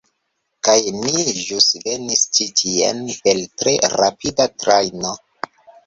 Kaj ni ĵus venis ĉi tien per tre rapida trajno.